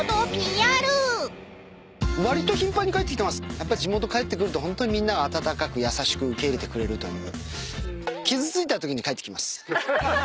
やっぱり地元帰ってくるとホントみんな温かく優しく受け入れてくれるという。